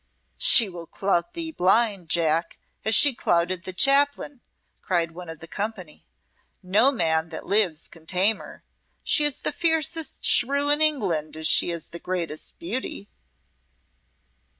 "She will clout thee blind, Jack, as she clouted the Chaplain," cried one of the company. "No man that lives can tame her. She is the fiercest shrew in England, as she is the greatest beauty."